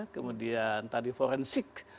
kemudian tadi forensik